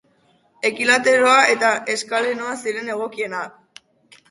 Ekilateroa eta eskalenoa ziren egokienak.